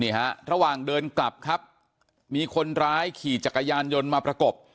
ฮะระหว่างเดินกลับครับมีคนร้ายขี่จักรยานยนต์มาประกบ